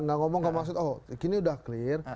gak ngomong kalau maksud oh ini udah clear